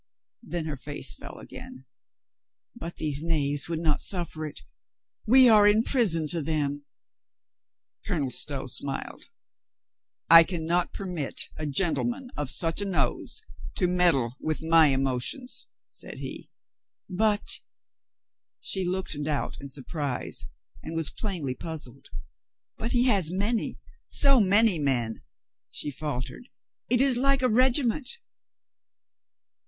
Then her face fell again. "But these knaves would not suffer it. We are in prison to them." Colonel Stow smiled. "I can not permit a gentle man of such a nose to meddle with my emotions," said he. "But" — she looked doubt and surprise, and was plainly puzzled — "but he has many, so many men," she faltered. "It is like a regiment."